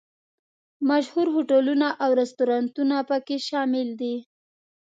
مشهور هوټلونه او رسټورانټونه په کې شامل دي.